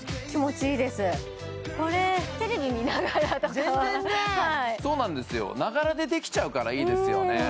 これテレビ見ながらとか全然ねそうなんですよながらでできちゃうからいいですよね